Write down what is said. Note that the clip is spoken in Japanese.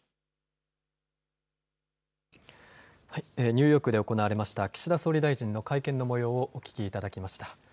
ニューヨークで行われました岸田総理大臣の会見の模様をお聞きいただきました。